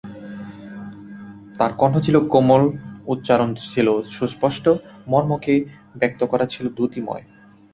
তাঁর কণ্ঠ ছিল কোমল, উচ্চারণ ছিল সুস্পষ্ট, মর্মকে ব্যক্ত করা ছিল দ্যুতিময়।